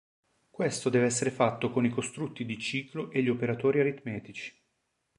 Questo deve essere fatto con i costrutti di ciclo e gli operatori aritmetici.